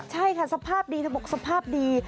ใช่ค่ะสภาพดีเธอบอกสภาพดี